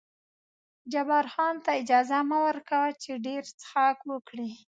جبار خان ته اجازه مه ور کوه چې ډېر څښاک وکړي.